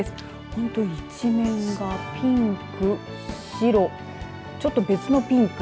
ほんと、一面がピンク白ちょっと別のピンク